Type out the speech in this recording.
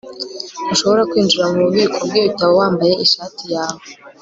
Ntushobora kwinjira mububiko bwibitabo wambaye ishati yawe